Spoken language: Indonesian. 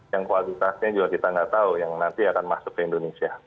yang kualitasnya juga kita nggak tahu yang nanti akan masuk ke indonesia